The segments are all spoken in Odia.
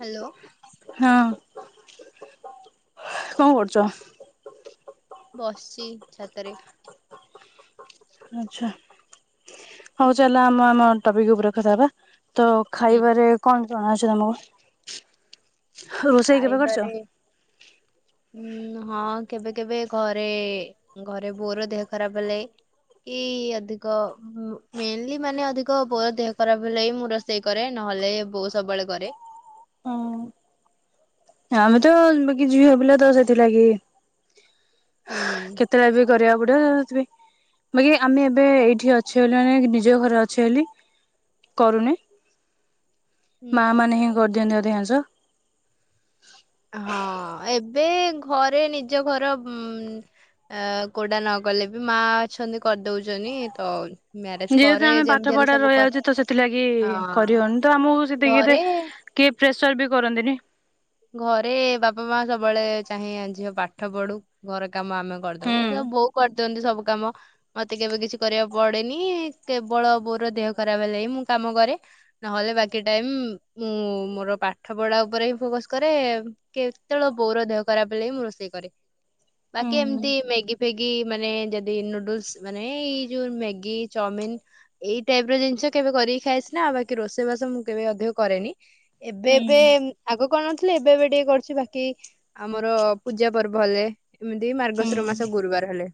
ହ୍ୟାଲୋ ହଁ। କଣ କରୁଚ? ବସିଛି ଛାତରେ। ଆଛା। ହୁଁ। ହଉ ଚାଲିଲ ଆମ ଆମ ଟପିକ ଉପରେକଥା ହେବା। ତ ହୁଁ। ଖାଇବାରେ କଣ? କଣଛି ତମକୁ? ରୋଷେଇ କେବେ କରିଛ? ଖାଇବାରେ ହୁଁ। ହଁ କେବେ କେବେ ଘରେ ଘରେ ବୋଉର ଦେହ ଖରାପ ହେଲେ କି ଅଧିକ ମେନଲି ମାନେ ଅଧିକ ବୋଉର ଦେହ ଖରାପ ହେଲେ ମୁଁ ରୋଷେଇ କରେ ନହେଲେ ବୋଉ ସବୁବେଳେ କରେ। ହଁ। ଆମେ ତ ବାକି ଝିଅ ପିଲା ତ ସେଥିଲାଗି। ହୁଁ କେତେଟା ବି କରିବାକୁ ପଡେ? ବାକି ଆମେ ଏବେ ଏଇଠି ଅଛେ ବୋଲି ମାନେ ନିଜ ଘରେ ଅଛେ ବୋଲି କରୁନି। ମା ହୁଁ ମାନେ ହିଁ କରିଦିଅନ୍ତି ଅଧିକାଂଶ। କାଂଶ। ହଁ ଏବେ ଘରେ ନିଜ ଘର ଉ କୋଉଟା ନକଲେ ବି ମା ଅଛନ୍ତି କରିଦଉଛନ୍ତି ତ। ମ୍ୟାରେଜ ଯେହେତୁ ପରେ ଆମେ ଯେମିତି ପାଠ ହେଲେ ପଢା ସବୁ କର ରହିଯାଉଛେ ତ ସେଥିଲାଗି ହଁ କରିହଉନି ତ ଆମକୁ ସେତିକି ଘରେ କିଏ? ପ୍ରେସର ବି କରନ୍ତିନି। ଘରେ ବାପା ମା ସବୁବେଳେ ଚାହେଁ ଝିଅ ପାଠ ପଢୁ ଘର କାମ ଆମେ ହୁଁ କରିଦବୁ ତ ବୋଉ କରି ସବୁ କାମ ମତେ କେବେ କିଛି କରିବାକୁ ପଡେନି। କେବଳ ମୋର ଦେହ ଖରାପ ହେଲେ ହିଁ ମୁଁ କାମ କରେ। ନହେଲେ ବାକି ଟାଇ ମୁଁ ମୋର ପାଠ ପଢା ଉପରେ ହିଁ ଫୋକସ କରେ କେତେବେଳେ ବୋର ଦେହ କରା ବଳେ ହିଁ ମୁଁ ରୋଷେଇ କରେ। ହୁଁ ବାକି ଏମତି ମେଗି ଗି ମାନେ ଯଦି ନୁଡୁ ହୁଁ ଏବେ ଆଗ କଣ ନଥିଲେ ଏବେ ଏବେ ଟିକେ କରୁଛୁ ବାକି ଆମର ପୂଜା ପର୍ବ ହେଲେ। ଏମିତି ମାର୍ଗଶର ହୁଁ। ମାସ ଗୁରୁବାର ହେଲେ।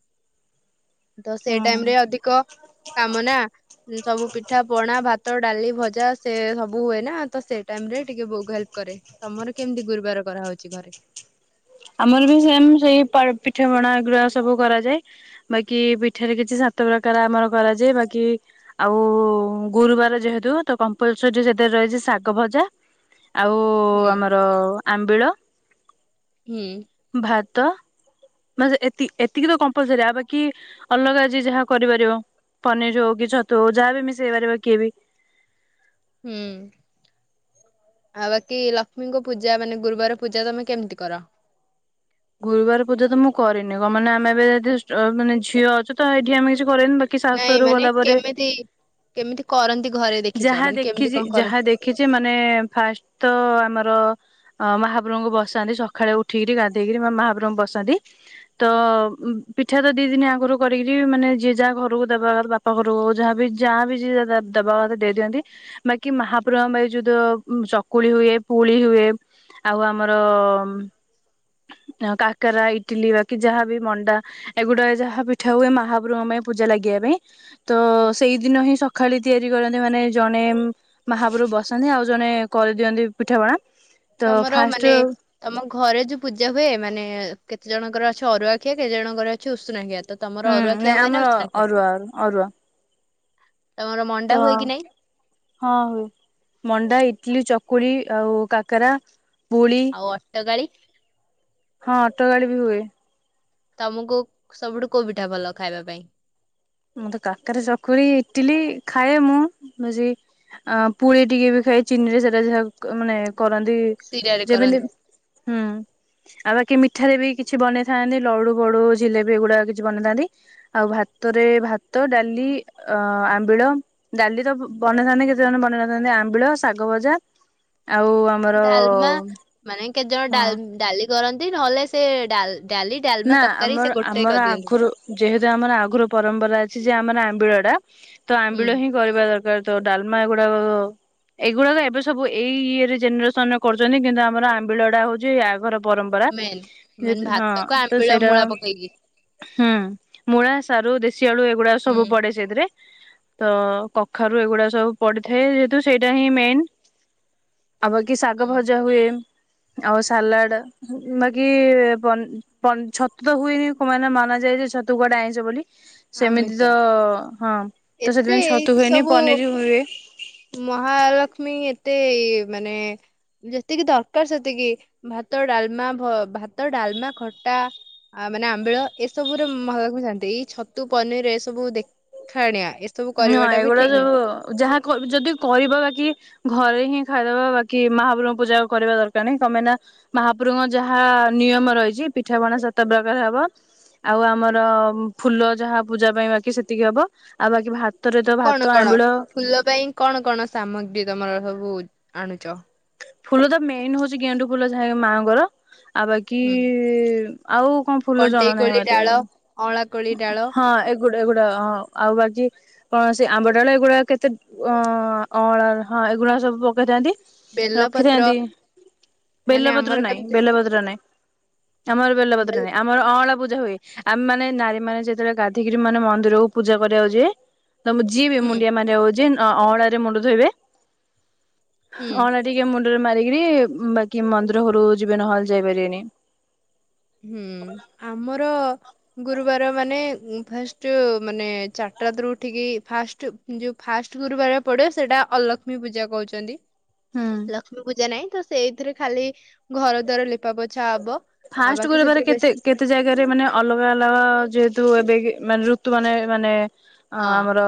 ତ ସେଇ ଟାଇମ ହୁଁ ରେ ଅଧିକ କାମ ନା ସବୁ ପିଠା, ପଣା ଭାତ, ଡାଲି ଭଜା ସେ ସବୁ ହୁଏ ନା ତ ସେ ଟାଇମ ରେ ଟିକେ ବହୁତ ହେଲ୍ପ କରେ। ତମର କେମିତି ଗୁରୁବାର କରା ହଉଛି? ଘରେ ଆମର ବି ସେମ ସେଇ ପିଠାପଣା ଏଗୁରା ସବୁ କରାଯାଏ ବାକି ପିଠାରେ କିଛି ସାତ ପ୍ରକାର ଆମର କରାଯାଏ ବାକି ଆଉ ଗୁରୁବାର ଯେହେତୁ ତ କମ୍ପଲସରୀ ସେଥିରେ ରହିଛି ଶାଗ ଭଜା ଆଉ ହୁଁ। ଆମର ଆମ୍ବିଳ ହୁଁ। ଭାତ ଏତିକି ତ କମ୍ପଲସରି ଆଉ ବା କିି ଅଲଗା ଯ ଯାହା କରିପାରିବ ପନିର ହଉ କି ଛତୁ ହଉ ଯାହାବ ମିଶେଇ ପାରିବ କିଏ ବି ହୁଁ ଆଉ ବାକି ଲକ୍ଷ୍ମୀଙ୍କ ପୂଜା ମାନେ ଗୁରୁବାର ପୂଜା ତମେ କେମିତି କର? ଗୁରୁବାର ପୂଜା ତ ମୁଁ କରିନି କ ମାନେ ଆମେ ଏବେ ଯଦି ମାନେ ଝିଅ ଅଛୁ ତ ଏଇଠି ଆମେ କିଛି କରେନି ବାକି ଶାସୁ ନାଇଁ ଘରକୁ ମାନେ ଗଲା ପରେ କେମିତି କେମିତି କରନ୍ତି ଘରେ ଦେଖିଛ ଯାହା ମାନେ କେମିତି ଦେଖଛି କଣ କରନ୍ତି? ଯାହା ଦେଖିଛି ମାନେ ଫାଷ୍ଟ ତ ଆମର ଅ ମହାପ୍ରଭୁଙ୍କୁ ବସନ୍ତି ସକାଳେ ଉଠିକିରି ଗାଧ ଦେଇକରି ମହାପ୍ରଭୁ ବସନ୍ତି। ତ ପିଠା ତ ଦି ଦିନ ଆଗରୁ କରିକିରି ମାନେ ଯିଏ ଯାହା ଘରକୁ ଦେବା କଥା ବାପା ଘରକୁ ଯାହାବ ଯାହା ବି ଯଏ ଦେବା କଥା ଦେଇ ଦିଅନ୍ତି। ବାକି ମହାପ୍ରଭୁ ଭାଇ ଯୋଉଦ ଚକୁଳି ହୁଏ ପୁଳି ହୁଏ ଆଉ ଆମର କାକରା, ଇଟିଲି ବାକି ଯାହାବ ମଣ୍ଡା ଏଗୁଡା ଯାହା ପିଠା ହୁଏ ମହାପୁରୁଙ୍କ ପାଇଁ ପୂଜା ଲାଗିବା ପାଇଁ ତ ସେଇଦିନ ହିଁ ସକାଳେ ତିଆରି କରନ୍ତି ମାନେ ଜଣେ ମହାପୁରୁ ବସନ୍ତି ଆଉ ଜଣେ କରିଦିଅନ୍ତି ପିଠାପଣା ତ ତମର ଫାଷ୍ଟ ମାନେ ତମ ଘରେ ଯୋଉ ପୂଜା ହ ହୁଏ ମାନେ କେତେ ଜଣଙ୍କର ଅଛି ଅରୁଆ ଖିଆ କେତେ ଜଣଙ୍କର ଅଛି ଉଷୁନା ଖିଆ? ତ ତମର ହୁଁ ଅରୁଆ ଖିଆ ନାଇଁ ହୁଏ ନା ଆମର ଉଷୁନା ଖିଆ? ଅରୁଆ ଅରୁଆ। ତମର ମଣ୍ଡା ତ ହୁଏ କି ନାଇଁ ହଁ ହୁଏ ମଣ୍ଡା ଟିଲ, ଚକୁଳି ଆଉ, କାକରା ପୁଳି ଆଉ ଅଟ ଗାଳି ହଁ ଅଟୋ ଗାଡି ବି ହୁଏ। ତମକୁ ସବୁଠୁ କୋଉ ପିଠା ଭଲ ଖାଇବା ପାଇଁ? ମୁଁତେ କାକରା, ଚକୁଳି ଇଟିଲି ଖାଏ ମୁଁ ବ ପୁଡି ଟିକେ ବି ଖାଏ ଚିନିରେ ସେଟା ଯାହା ମାନେ କରନ୍ତି। ଶିରାରେ ଯେମିତି କରନ୍ତି ହୁଁ ଆ କି ମିଠାରେ ବି କିଛି ବନେଇଥାନ୍ତି ଲଡୁ ବୋଡୁ ଜିଲେବି ଏଗୁଡାକ କିଛି ବନେଇଥାନ୍ତି। ଆଉ ଭାତ ରେ ଭାତ, ଡାଲି ଆ ଆମ୍ବିଳ, ଡାଲି ତ ବନେଇଥାନ୍ତେ କେତେ ଜଣ ବନେଇନଥାନ୍ତି। ଆମ୍ବିଳ ଶାଗ ଭଜା ଆଉ ଆମର ଡାଲମା ମାନେ କେତେ ଜଣ ହଁ ଡାଲ୍ ଡାଲି କର ଲି ନ ହେଲେ ସେ ଡାଲ ଡାଲି ନା ଡାଲମା ତକାରୀ ଆମର ସେ ଗୋଟେ ଆମର କରିଦିଅନ୍ତି। ଆଗରୁ ଯେହେତୁ ଆମର ଆଗରୁ ପରମ୍ପରା ଅଛି ଯେ ଆମର ଆମ୍ବିଳଟା। ତ ହୁଁ। ଆମ୍ବିଳ ହିଁ କରିବା ଦର୍ ପ୍ରାୟତଃ ଡାଲମା ଏଗୁଡାକ ଏଇଗୁଡାକ ଏବେ ସବୁ ଏଇ ଇଏରେ ଜେନେରେସନରେ କରୁଚନ୍ତି। କିନ୍ତୁ ଆମର ଆମ୍ବିଳଟା ହଉଚି ଆଗର ପରମ୍ପରା ମେନ୍ [inaudible] ମେନ୍ ଯେହେତୁ ହଁ। ଭାତକୁ ଆମ୍ବିଳ ମୂଳା ସେଇଟା ପକେଇକି। [inaudible] ହୁଁ ମୂଳା, ସାରୁ ଶିଆଳୁ ଏଗୁଡା ହୁଁ ସବୁ ପଡେ ସେଇଥିରେ। ତ କଖାରୁ ଏଗୁଡା ସବୁ ପଡିଥାଏ। ଯେହେତୁ ସେଇଟା ହିଁ ମେନ୍। ଆଉ ବାକିି ଶାଗ ହୁଁ। ଭଜା ହୁଏ। ଆଉ ସାଲାଡ ବାକି ପନି ପନ୍ ଛତୁ ତ ହୁଏନି ଖ ମାନେ ମାନା ଯାଆ ଯେ ଛତୁ କୁଆଡେ ଆଇଁସ ବୋଲି। ସେମିତି ଆମିଷ ତ ହଁ ତ ଏତେ ସେଥିପାଇଁ ଛତୁ ଏଇଠି [inaudible] ହୁଏନି ସବୁ ପନିର ହୁଏ ମହାଲକ୍ଷ୍ମୀ ଏତେ ମାନେ ଯେତିକି ଦରକାର ସେତିକି ଭାତ ଡାଲମା ଭ ଭାତ, ଡାଲମା, ଖଟା ମାନେ, ଆମ୍ବିଳ ଏସବୁରେ ମନ ଶାନ୍ତି। ଏଇ ଛତୁ ପନିର ଏ ସବୁ ଦେ ଦେଖାଣିଆ। ନୂଅଁ ଏଗୁଡା ସବୁ ଯାହା କହି ଯଦି କଇବା ବାକି ଘରେ ହିଁ ଖାଇଦବ ବାକି ମହାପ୍ରଭୁଙ୍କ ପୂଜା କରିବା ଦରକାର ନାଇଁ। କଣ ପାଇଁ ନା ମହାପ୍ରଭୁଙ୍କ ଯାହା ନିୟମ ରହିଚି ପିଠାପଣା ସେତେ ପ୍ରକାର ହବ। ଆଉ ଆମର ଫୁଲ ଯାହା ପୂଜା ପାଇଁ ବାକି ସେତିକି ହବ। ଆଉ ବାକି ଭା ଭାତରେ ତ ଭାତ କଣ କଣ ଆମ୍ବିଳ ଫୁଲ ପାଇଁ କଣ କଣ ସାମଗ୍ରୀ ତମର ସବୁ [inaudible] ଆଣୁଚ। ଫୁଲ ତ ମେନ୍ ହଉଚି ଗେଣ୍ଡୁ ଫୁଲ ଯାହାକି ମାଆଙ୍କର। ଆ ବାକି ହୁଁ। ଆଉ କଣ ଫୁଲ କଣ୍ଟେଇ ଜଣା ନାହିଁ କୋଳି ମତେ ଡାଳ ଅଁଳା କୋଳି ଡାଳ ହଁ। ଗୁଡେ ଗୁଡା ହଁ ଆଉ ବାକି କୌଣସି ଆମ୍ବଡାଳ ଏଗୁଡା କେତେ ଅ ଅଁଳା ହଁ ଏଗୁଡା ସବୁ ପକେଇଥାନ୍ତି। ବେଲପତ୍ର ରଖିଥାନ୍ତି ମାନେ ବେଲପତ୍ର ଆମର ନାଇଁ କେମିତି ବେଲପତ୍ର ନାଇଁ ଆମର ବେଲପତ୍ର ବେଲ ନାଇଁ। ଆମର ଅଁଳା ପୂ ହୁଏ ଆମେ ମାନେ ନାରୀମାନେ ଯେତେବେଳେ ଗାଧିକିରି ମାନେ ମନ୍ଦିରକୁ ପୂଜା କରିବା ଯିବେ। ତମେ ଯିଏବି ହୁଁ ମୁଣ୍ଡିଆ ମାରିବାକୁ ଜିନ୍। ଅ ଅଁଳାରେ ମୁଣ୍ଡ ଧୋଇବେ। [inaudible] ହୁଁ। ଅଁଳା ଟିକେ ମୁଣ୍ଡରେ ମାରିକିରି ବାକି ମନ୍ଦିର ଘରୁ ଯିବେ ନହେଲେ ଯାଇପାରିବେନି। ହୁଁ ଆମର ଗୁରୁବାର ମାନେ ଫାଷ୍ଟ ମାନେ ଚାରିଟା ରାତିରୁ ଉଠିକି ଫାଷ୍ଟ ଯୋଉ ଫାଷ୍ଟ ଗୁରୁବାର ପଡିବ ସେଟା ଅଲକ୍ଷ୍ମୀ ପୂଜା କହୁଛନ୍ତି। ହୁଁ। ଲକ୍ଷ୍ମୀ ପୂଜା ନାଇଁ। ସେଇଥିରେ ଖାଲି ଘରଦ୍ୱାର ଲିପାପୋଛା ହବ। ଆଉ ଫାଷ୍ଟ୍ ବାକି ଗୁରୁବାରେ ସେଥିରେ କେତେ ବେଶୀ କେତେ ଜାଗାରେ ମାନେ ଅଲଗା ଅଲଗା ଆ ଯେହେତୁ ଏବେକି ମାନେ ଋତୁ ମାନେ ମାନେ ଅ ହଁ ଆମର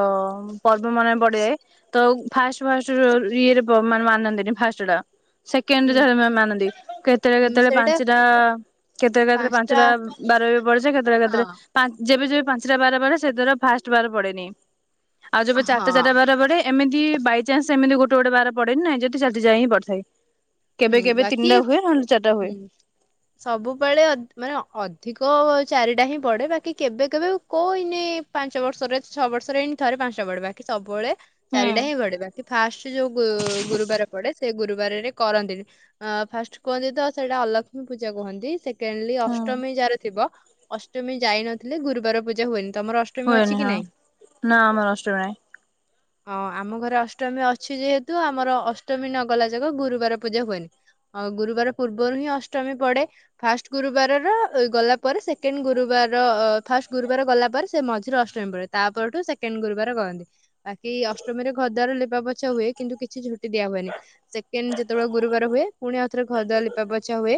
ପର୍ବମାନେ ପଡେ ତ ଫାଷ୍ଟ୍ ଫାଷ୍ଟ୍ ର ଇଏରେ ବ ମାନନ୍ତିନି ଫାଷ୍ଟ୍ ଟା ସେକେଣ୍ଡ୍ ହୁଁ ଯାହା ମାମ୍ ମାନନ୍ତି କେତେବେଳେ ଉଁ, କେତେଳେ ସେଇଟା ପାଞ୍ଚଟା କେତେଟା କେତେଟା ପାଞ୍ଚଟା ବାରରେ ପଡିଚି କେତେବେଳେ ହଁ କେତେବେଳେ ପାଞ୍ଚ ଯେବେ ଯେବେ ପାଞ୍ଚଟା ବାର ବାର ସେ ଦ୍ୱାରା ଫାଷ୍ଟ୍ ବାର ପଡେନି। ଆଉ ଯେବେ ଚାରିଟା ହଁ ଚାରା ବାର ପଡେ ଏମିତି ବାଇଚାନ୍ସ୍ ଏମିତି ଗୋଟେ ଗୋଟେ ବାର ପଢେନି। ଯଦି [unintelligible] ଯାଏଁ ପଢିଥାଏ। କେବେ ହୁଁ କେବେ ବାକି ତିନିଟା ହୁଏ ନହେଲେ ଚାରିଟା ହୁଏ। ହୁଁ ସବୁବେଳେ ଅଧି ମାନେ ଅଧିକ ଅ ଚାରିଟା ହିଁ ପଡେ ବାକି କେବେ କେବେ କୋଉ ନି ପାଞ୍ଚବର୍ଷରେ ଛଅ ବର୍ଷରେ ଏଇନ ଥରେ ପାଞ୍ଚଟା ପଡେ ବାକି ସବୁବେଳେ ହୁଁ ଚାରିଟା ହିଁ ଗଡେ ବାକି ଫାଷ୍ଟ୍ ଯୋଉ ଉ-ଉ ଗୁରୁବାର ପଡେ ସେ ଗୁରୁବାରରେ କରନ୍ତିନି ଅ ଫାଷ୍ଟ୍ କୁହନ୍ତି ତ ସେଇଟା ଅଲକ୍ଷ୍ମୀ ପୂଜା କୁହନ୍ତି ସେ କେଣଲିି ହୁଁ। ଅଷ୍ଟମୀ ଯାର ଥିବ ଅଷ୍ଟମୀ ଯାଇନଥିଲେ ଗୁରୁବାର ପୂଜା ହୁଏନି। ତମର ଅଷ୍ଟମୀ ହୁଏନି ଅଛି କି ହଁ। ନାଇଁ? ନା ଆମର ଅଷ୍ଟମୀ ନାହିଁ। ହଁ ଆମ ଘରେ ଅଷ୍ଟମୀ ଅଛି ଯେହେତୁ ଆମର ଅଷ୍ଟମୀ ନଗଲା ଯାକ ଗୁରୁ ବାର ପୂଜା ହୁଏନି। ଆଉ ଗୁରୁବାର ପୂର୍ବରୁ ହିଁ ଅଷ୍ଟମୀ ପଡେ ଫାଷ୍ଟ୍ ଗୁରୁବାର ର ଗଲାପରେ ସେକେଣ୍ଡ୍ ଗୁରୁବାର ଅ ଫାଷ୍ଟ୍ ଗୁରୁବାର ଗଲା ପରେ ସେ ମଝିରେ ଅଷ୍ଟମୀ ପଡେ। ତାପରଠୁ ସେକେଣ୍ଡ୍ ଗୁରୁବାର କରନ୍ତି ବାକି ଅଷ୍ଟମୀରେ ଘରଦ୍ୱାର ଲିପାପଛା ହୁଏ କିନ୍ତୁ କିଛି ଝୁଟି ଦିଆ ହୁଏନି ସେକେଣ୍ଡ୍ ଯେ ଯେତେବେଳେ ଗୁରୁବାର ହୁଏ ପୁଣି ଆଉ ଥରେ ଘରଦ୍ୱାର ଲିପାପଛା ହୁଏ।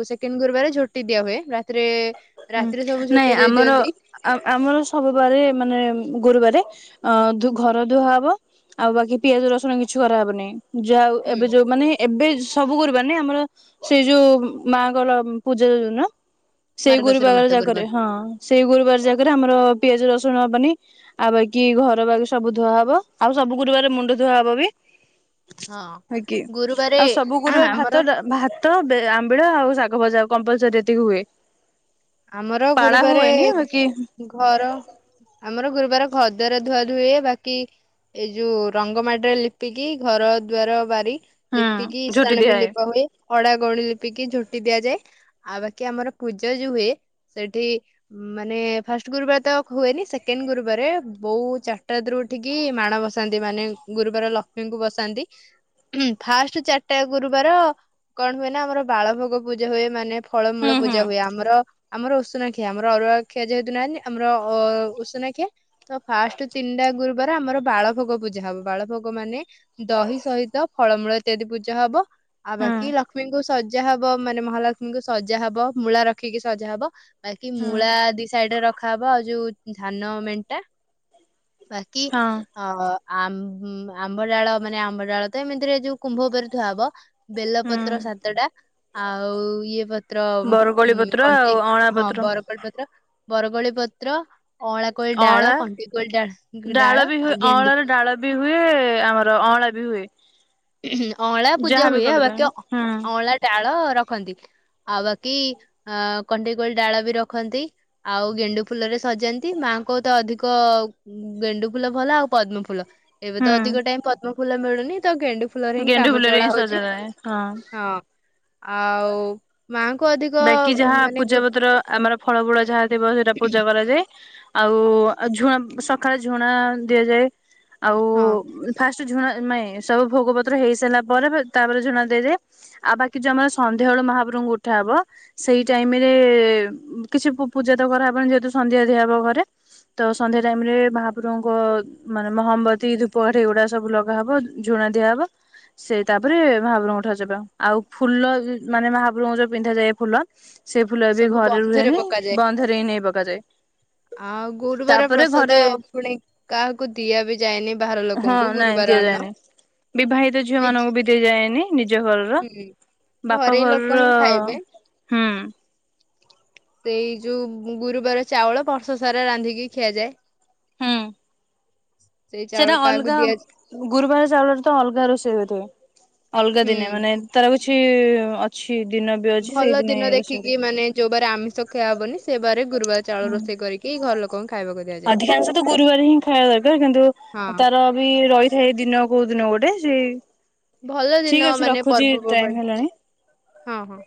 ଉ ସେକେଣ୍ଡ୍ ଗୁରୁବାର ଝୋଟି ଦିଆ ହୁଏ ରାତିରେ ହୁଁ ରାତିରେ ସବୁ ଝୋଟି ନାଇଁ ଦେଇ ଆମର ଦିଅନ୍ତି ଅ-ଅ ଆମର ସବୁ ବାରେ ମାନେ ଗୁରୁବାରେ ଅ ଘର ଧୁଆହବ ଆଉ ବାକି ପିଆଜ ରସୁଣ କିଛି କରାହେବନି- ଯାଆଉ ହୁଁ ଏବେ ଯୋଉ ମାନେ ଏବେ ସବୁ କରିବାନି ଆମର ସେଇ ଯୋଉ ମାଙ୍କର ପୂଜା ଯ ଦଉନ ସେଇ ମାର୍ଗଶିର ଗୁରୁବାର ମାସ ଜାଗାରେ ଗୁରୁବାର ହଁ ସେଇ ଗୁରୁବାର ଜାଗାରେ ଆମର ପିଆଜ ରସ୍ ଶୁଣ ହବନି ଆଉ ବାକିି ଘର ବାକି ସବୁ ଧୁଆ ହବ ଆଉ ସବୁ ଗୁରୁବାର ମୁଣ୍ଡ ଧୁଆ ହେବ ବି। ହଁ ହେ କି ଗୁରୁବାରେ ଆଉ ସବୁ ଗୁରୁବାରେ ଭାତ ଆମର ଡା ଭାତ ବେ ଆମ୍ବିଳ ଆଉ ଶାଗ ଭଜା କମ୍ପଲସରି ଏତିକି ହୁଏ। ଆମର ପାଳା ଗୁରୁବାରେ ହୁଏନି ବାକି ଏ-ଏ ଘର ଆମର ଗୁରୁବାର ଘର ଦ୍ୱାର ଧୁଆ ଧୁଏ, ବାକି ଏଇ ଯୋଉ ରଙ୍ଗ ମାଟିରେ ଲିପିକି ଘର, ଦ୍ୱାର, ବାରି ହୁଁ ଲିପିକି ଝୋଟି ଇସାଣ ବି ଦିଆଏ। ଲିପା ହୁଏ। ଅଡ଼ା ଗଉଳି ଲିପିକି ଝୁଟି ଦିଆଯାଏ ଆଉ ବାକି ଆମର ପୂଜ ଯୋଉ ହୁଏ। ସେଠି ମାନେ ଫାଷ୍ଟ ଗୁରୁବାର ତ ହୁଏନି ସେକେଣ୍ଡ ଗୁରୁବାର ବୋଉ ଚାରିଟା ରାତିରୁ ଉଠିକି ମାଣ ବସାନ୍ତି ମାନେ ଗୁରୁବାର ଲକ୍ଷ୍ମୀଙ୍କୁ ବସାନ୍ତି ଫାଷ୍ଟ ଚାରିଟା ଗୁରୁବାର କଣ ହୁଏ ନା ଆମର ବାଳଭୋଗ ପୂଜା ହୁଏ ମାନେ ହୁଁ ଫଳମୂଳ ହୁଁ। ପୂଜା ହୁଏ ଆମର ଆମର ଉଷୁନା ଖିଆ ଆମର ଅରୁଆ ଖିଆ ଯେହେତୁ ନାହାନ୍ତି ଆମର ଅ ଉଷୁନା ଖିଆ ତ ଫାଷ୍ଟ ତିନିଟା ଗୁରୁବାର ଆମର ବାଳଭୋଗ ପୂଜା ହବ ବାଳଭୋଗ ମାନେ ଦହି ସହିତ ଫଳମୂଳ ଇତ୍ୟାଦି ପୂଜା ହବ ଆଉ ହୁଁ ବାକି ଲକ୍ଷ୍ମୀଙ୍କୁ ଶଜାହବ ମାନେ ମହାଲକ୍ଷ୍ମୀଙ୍କୁ ସଜା ହବ ମୂଳା ରଖିକି ସଜା ହବ ବାକି ହୁଁ ମୂଳା ଦି ସାଇଡରେ ରଖାହବ ଆଉ ଯୋଉ ଧାନ ମେଣ୍ଟା ବାକି ହଁ ଅ ଆମ୍ ଆମ୍ବ ଡାଳ ମାନେ ଆମ୍ବଡାଳ ତ ଏମିତିରେ ଯୋଉ କୁମ୍ଭ ଉପରେ ଧୂଆ ହବ ହୁଁ ବେଲପତ୍ର ସାତଟା ଆଉ ଇଏ ପତ୍ର ବରକୋଳି ପତ୍ର କଣ୍ ଆଉ ଅଁଳା ହଁ ପତ୍ର ବର କୋଳି ପତ୍ର ବର କୋଳି ପତ୍ର ଅଁଳା କୋଳି ଡାଳ ଅଁଳା କଣ୍ଟେଇ କୋଳି ଡାଳ ବି ଆଉ ହୁଏ ଗେଣ୍ଡୁ ଅଁଳାର ଡାଳ ବି ହୁଏ ଆମର ଅଁଳା ବି ହୁଏ। ଅଁଳା ପୂଜା ଯାହାବି ହୁଏ କଲେ ପାଇଁ ବାକି ହୁଁ ଅଁଳା ଡାଳ ରଖ ରଖନ୍ତି ଆଉ ବାକି ଅ କଣ୍ଟେଇକୋଳି ଡାଳ ବି ରଖନ୍ତି ଆଉ ଗେଣ୍ଡୁ ଫୁଲରେ ସଜାନ୍ତି ମାଙ୍କୁ ତ ଅଧିକ ଗେଣ୍ଡୁ ଫୁଲ ଭଲ ଆଉ ପଦ୍ମ ଫୁଲ ଏବେ ତ ଅଧିକ ହୁଁ ଟାଇମ ପଦ୍ମ ଫୁଲ ମିଳୁନି। ନି ତ ଗେଣ୍ଡୁ ଫୁଲରେ ହିଁ ଗେଣ୍ଡୁ କାମ ଫୁଲେର ଚଳା ଇ ହଉଛି ସଜା ଯାଏ ହଁ ଆଉ ମାଆଙ୍କୁ ଅଧିକ ବାକି ଯାହା ମାନେ ପୂଜା ଗୁ ପତ୍ର ଆମର ଫଳ ଗୁଳ ଯାହା ଥିବ ସେଟା ପୂଜା କରାଯାଏ। ଆଉ ଉ ଆଉ ଝୁଣା ସକାଳେ ଝୁଣା ଦିଆଯାଏ। ଆଉ ହଁ ଫା ଝୁଣା ନାଏ ସବୁ ଭୋଗ ପତ୍ର ହେଇସାରିଲା ପରେ ତାପରେ ଝୁଣା ଦିଆଯାଏ ଆଉ ବାକି ଯୋଉ ଆମର ସନ୍ଧ୍ୟାବେଳୁ ମହାପ୍ରଭୁଙ୍କୁ ଉଠା ହବ ସେଇ ଟାଇମ ରେ କିଛି ପୂଜା ତ କରାହେବନି ଯେହେତୁ ସନ୍ଧ୍ୟା ଦିଆହବ ଘରେ ତ ସନ୍ଧ୍ୟା ଟାଇମ ରେ ମହାପ୍ରଭୁଙ୍କ ମାନେ ମହମବତୀ ଧୂପକାଠି ଏଗୁଡା ସବୁ ଲଗାହବ ଝୁଣା ଦିଆହବ ସେଇ ତାପରେ ମହାପ୍ରଭଙ୍କ ଠାରୁ ଯିବା ଆଉ ଫୁଲ ମାନେ ମହାପ୍ରଭୁଙ୍କୁ ଯୋଉ ପିନ୍ଧା ଯାଏ। ଫୁଲ ସେ ଫୁଲ ଏ ବି ସବୁ ଘରେ ବନ୍ଧରେ ରୁହେନି ପକାଯାଏ ବନ୍ଧରେ ହି ନେଇ ପ ବଜେ ଆଉ ଗୁରୁବାର ପ୍ରସାଦ ପୁଣି କାହାକୁ ଦିଆ ବି ଯାଏନି ବାହାର ହଁ ଲୋକଙ୍କୁ ନାଇଁ ଗୁରୁବାର ଅନ୍ନ ଦିଆଯାଏନି। ବିବାହିତ ଝିଅ ମାନଙ୍କୁ ନିଜ ବି ଦିଆଯାଏନି ନିଜ ଘରର ହୁଁ ବାପା ଘରେ ଘରର ଲୋକ ହିଁ ଖାଇବେ ହୁଁ ସେଇ ଯୋଉ ଗୁରୁବାର ଚାଉଳ ବର୍ଷ ସାରା ରାନ୍ଧିକି ଖିଆଯାଏ। ହୁଁ ସେଇ ସେଟା ଚାଉଳ କାହାକୁ ଅଲଗା ଦିଆଯାଏ ଗୁରୁବାର ଚାଉଳରେ ତ ଅଲଗା ରୋଷେଇ ହୋଇଥାଏ ଅଲଗା ଦିନେ ହୁଁ ମାନେ ତାର କିଛି ଅଛି। ଦିନ ବି ଅଛି ଭଲ ସେଇଦିନ ଦିନ ରୋଷେଇ ଦେଖିକି ମାନେ ଯୋଉବାର ଆମିଷ ଖିଆ ହବନି ସେ ବାରେ ଗୁରୁବାର ଚାଉଳ ରୋଷେଇ କରିକି ଘର ଲୋକଙ୍କୁ ଖାଇବାକୁ ଦିଆଯାଏ। ଅଧିକାଂଶ ତ ଗୁରୁବାର ହିଁ ଖାଇବା ଦରକାର କିନ୍ତୁ ହଁ ତାର ବି ରହିଥାଏ ଦିନ କୋଉ ଦିନ ଗୋଟେ। ଜେ ଭଲ ଦିନ ମାନେ ପର୍ବପର୍ବାଣି ହେଲାଣି। ହଁ ହଁ।